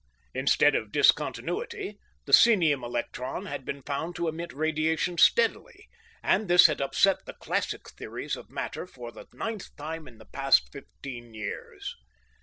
Instead of discontinuity, the psenium electron had been found to emit radiation steadily, and this had upset the classic theories of matter for the ninth time in the past fifteen years.